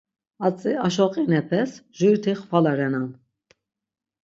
Atzi aşo qinepes juriti xvala renan.